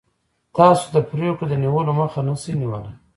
تاسو د پرېکړو د نیولو مخه نشئ نیولی.